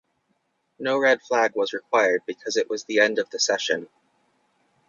No red flag was required because it was the end of the session.